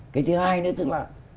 cái thứ hai nữa tức là